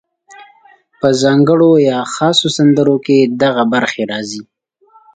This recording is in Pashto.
په ځانګړو یا خاصو سندرو کې دغه برخې راځي: